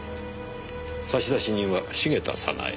差出人は茂田早奈江。